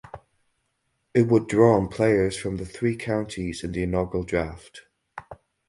It would draw on players from the three counties in the inaugural draft.